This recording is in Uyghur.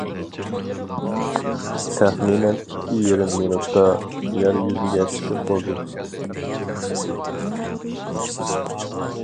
تەخمىنەن ئىككى يېرىم مىنۇتتا يەر يۈزىگە چىقىپ بولدۇم.